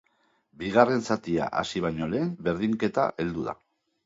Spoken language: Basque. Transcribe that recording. Bigarren zatia hasi baino lehen berdinketa heldu da.